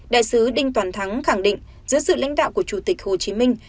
đại sứ đinh toàn thắng khẳng định giữa sự lãnh đạo của chủ tịch hồ chí minh